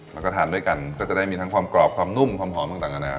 แล้วก็ทานด้วยกันก็จะได้มีทั้งความกรอบความนุ่มความหอมต่างอาณา